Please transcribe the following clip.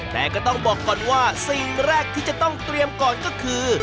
แต่ก็ต้องบอกก่อนว่าสิ่งแรกที่จะต้องเตรียมก่อนก็คือ